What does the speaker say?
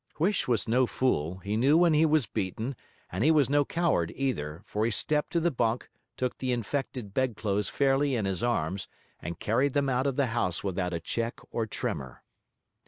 Huish was no fool, he knew when he was beaten; and he was no coward either, for he stepped to the bunk, took the infected bed clothes fairly in his arms, and carried them out of the house without a check or tremor.